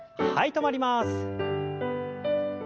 止まります。